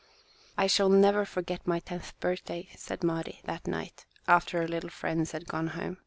"I shall never forget my tenth birthday," said Mari, that night, after her little friends had gone home.